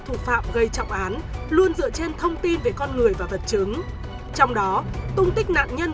thủ phạm gây trọng án luôn dựa trên thông tin về con người và vật chứng trong đó tung tích nạn nhân